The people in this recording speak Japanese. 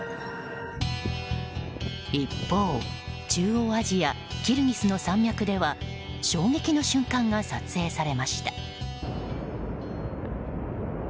一方、中央アジアキルギスの山脈では衝撃の瞬間が撮影されました。